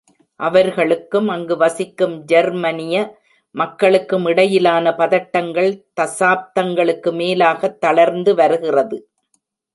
அவர்களுக்கும், அங்கு வசிக்கும் ஜெர்மனிய மக்களுக்கும் இடையிலான பதட்டங்கள் தசாப்தங்களுக்கு மேலாகத் தளர்ந்து வருகிறது.